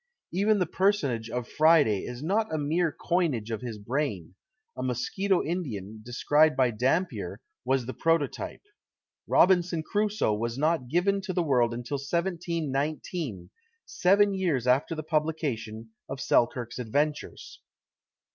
Even the personage of Friday is not a mere coinage of his brain: a Mosquito Indian, described by Dampier, was the prototype. Robinson Crusoe was not given to the world till 1719, seven years after the publication of Selkirk's adventures.